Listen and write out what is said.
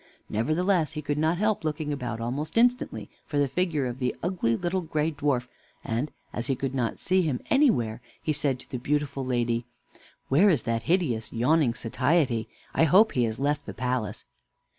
Nevertheless, he could not help looking about almost instantly for the figure of the ugly little gray dwarf; and, as he could not see him anywhere, he said to the beautiful lady: "Where is that hideous, yawning Satiety? I hope he has left the palace."